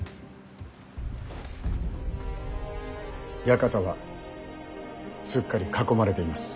館はすっかり囲まれています。